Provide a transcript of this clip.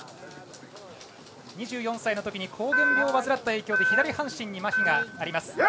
２４歳のときにこう原病をわずらった影響で左半身にまひがあります。